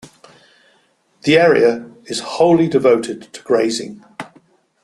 The area is wholly devoted to grazing.